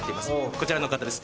こちらの方です